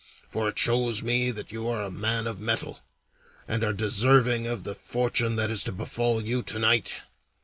For it shows me that you are a man of mettle, and are deserving of the fortune that is to befall you to night.